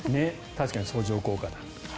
確かに相乗効果だ。